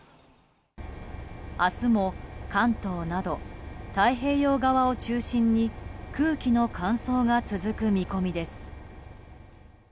明日も関東など太平洋側を中心に空気の乾燥が続く見込みです。